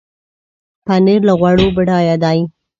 پنېر له غوړو بډایه دی.